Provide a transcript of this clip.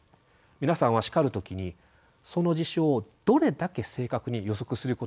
皆さんは叱る時にその事象をどれだけ正確に予測することができているでしょうか？